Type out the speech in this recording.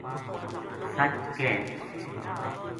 سَچ ک